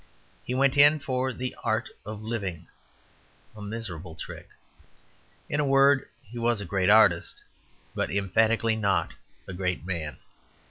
He went in for "the art of living" a miserable trick. In a word, he was a great artist; but emphatically not a great man.